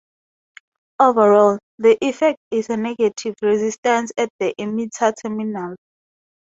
Overall, the effect is a negative resistance at the emitter terminal.